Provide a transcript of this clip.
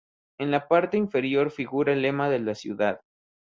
En la parte inferior figura el lema de la ciudad.